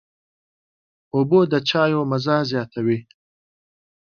اوبه د چايو مزه زیاتوي.